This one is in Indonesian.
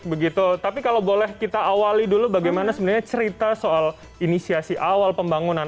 begitu tapi kalau boleh kita awali dulu bagaimana sebenarnya cerita soal inisiasi awal pembangunan